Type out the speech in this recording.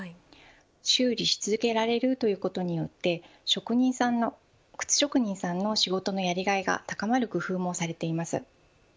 修理し続けられるということによって靴職人さんの仕事のやりがいが高まる工夫もされています。